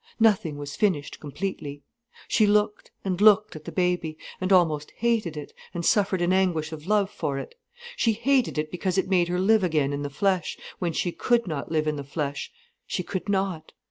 Nothing was finished completely. She looked and looked at the baby, and almost hated it, and suffered an anguish of love for it. She hated it because it made her live again in the flesh, when she could not live in the flesh, she could not.